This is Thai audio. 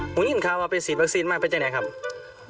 หมุนยินค่ะว่าไปฉีดวัคซีนมาเป็นไหนครับ